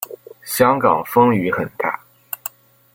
香港风雨很大